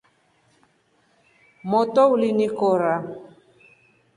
Moto uli in kora.